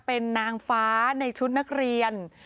เป็นนางฟ้าในชุดนักเรียน